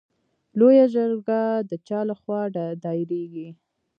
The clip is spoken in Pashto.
لویه جرګه د چا له خوا دایریږي؟